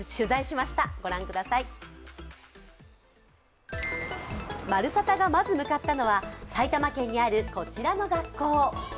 「まるサタ」がまず向かったのは埼玉県にあるこちらの学校。